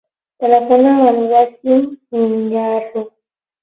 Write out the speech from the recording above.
Telefona al Wasim Miñarro.